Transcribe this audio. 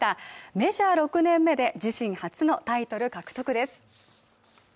メジャー６年目で自身初のタイトル獲得です。